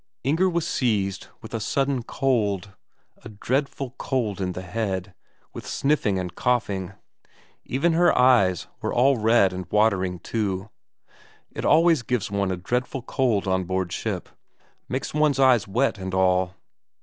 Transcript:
Inger was seized with a sudden cold a dreadful cold in the head, with sniffing and coughing even her eyes were all red and watering too. It always gives one a dreadful cold on board ship makes one's eyes wet and all!